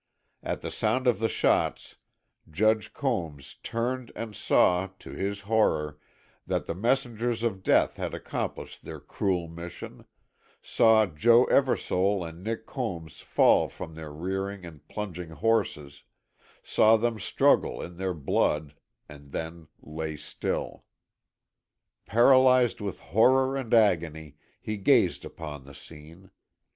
At the sound of the shots Judge Combs turned and saw, to his horror, that the messengers of death had accomplished their cruel mission, saw Joe Eversole and Nick Combs fall from their rearing and plunging horses, saw them struggle in their blood and then lay still. Paralyzed with horror and agony, he gazed upon the scene.